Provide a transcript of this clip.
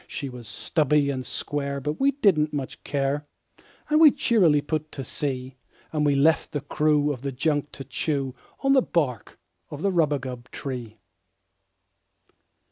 She was stubby and square, but we didn't much care, And we cheerily put to sea; And we left the crew of the junk to chew The bark of the rubagub tree.